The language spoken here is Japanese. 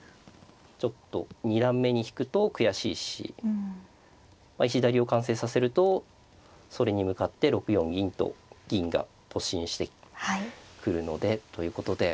ちょっと二段目に引くと悔しいし石田流を完成させるとそれに向かって６四銀と銀が突進してくるので。ということで。